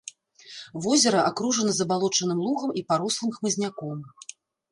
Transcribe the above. Возера акружана забалочаным лугам і парослым хмызняком.